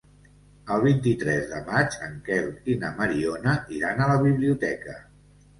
El vint-i-tres de maig en Quel i na Mariona iran a la biblioteca.